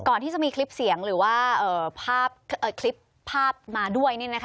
ก่อนที่จะมีคลิปเสียงหรือว่าคลิปภาพมาด้วย